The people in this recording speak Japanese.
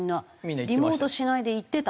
リモートしないで行ってたの？